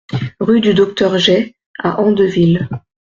Rue du Docteur Gey à Andeville